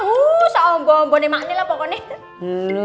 huuu so om bom bom emak ini lah pokoknya